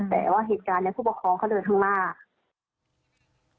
แต่ว่าเหตุการณ์นี้ผู้ปกครองเขาเดินข้างหน้า